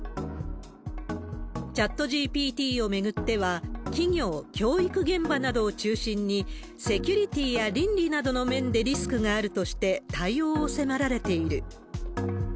チャットＧＰＴを巡っては、企業、教育現場などを中心に、セキュリティーや倫理などの面でリスクがあるとして、対応を迫られている。